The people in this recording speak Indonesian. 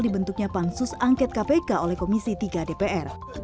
dibentuknya pansus angket kpk oleh komisi tiga dpr